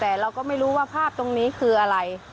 แต่เราก็ไม่รู้ว่าภาพตรงนี้คืออะไร